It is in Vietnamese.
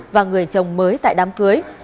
và người chồng mới tại đám cưới